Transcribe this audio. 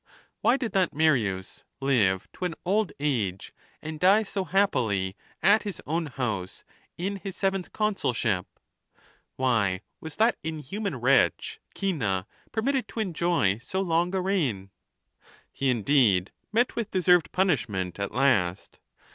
Why did that Marius live to an old age, and die so happily at his own house in his seventh I consulship? Why was that inhuman wretch Cinna per Imitted to enjoy so long a reign? XXXIII. He, indeed, met with deserved punishment at last.